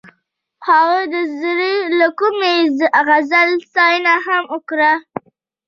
هغې د زړه له کومې د غزل ستاینه هم وکړه.